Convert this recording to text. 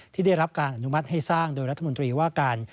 ที่ได้รับการอนุมัติให้สร้างโดยรัฐมนตรีว่าการ